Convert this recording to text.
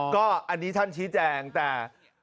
ก็อันนี้ท่านชี้แจงแต่